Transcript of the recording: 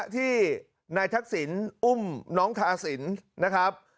ที่นายทักศิลป์อุ้มน้องทาศิลป์นะครับ